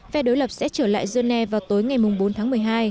phe đối lập sẽ trở lại geneva vào tối ngày bốn tháng một mươi hai